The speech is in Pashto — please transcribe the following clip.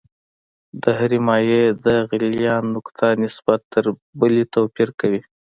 د هرې مایع د غلیان نقطه نسبت تر بلې توپیر کوي.